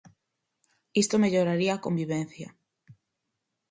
Isto melloraría a convivencia.